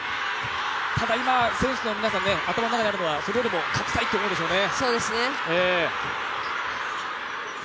ただ今、選手の皆さん、頭の中にあるのはそれよりも勝ちたいっていう思いでしょうね。